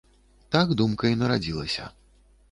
Так думка і нарадзілася.